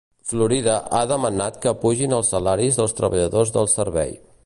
Florida ha demanat que apugin els salaris dels treballadors del servei.